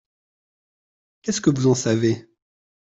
Qu’est-ce que vous en savez ?